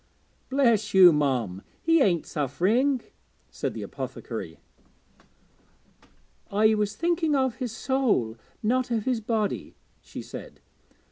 'Bless you, mum, he ain't suff'ring,' said the apothecary. 'I was thinking of his soul, not of his body,' she said.